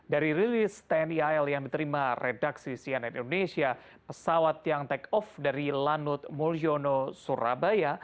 dari rilis tni al yang diterima redaksi cnn indonesia pesawat yang take off dari lanut mulyono surabaya